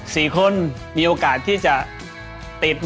สี่คนมีโอกาสที่จะติดมาที่นี่นะครับ